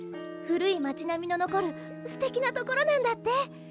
古い町並みの残るすてきなところなんだって！